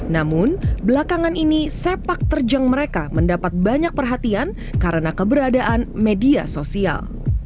namun belakangan ini sepak terjang mereka mendapat banyak perhatian karena keberadaan media sosial